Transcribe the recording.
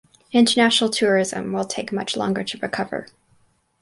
International tourism will take much longer to recover.